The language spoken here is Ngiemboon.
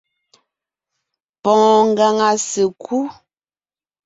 Pɔɔn ngaŋa sèkú .